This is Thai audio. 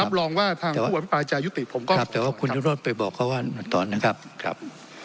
รับรองว่าทางผู้อาจจะยุติผมก็ครับแต่ว่าคุณวิโรธไปบอกเขาว่าตอนนะครับครับ